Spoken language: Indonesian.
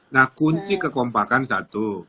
nah kunci kekompakan satu